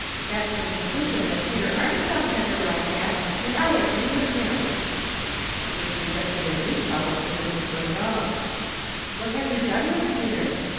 That's the conclusion that Peter Armstrong has arrived at, and I agree with him." This suggested a new trouble to Mrs. Munroe. " What have you done with Peter